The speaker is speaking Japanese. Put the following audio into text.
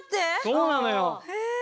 そうなのよ。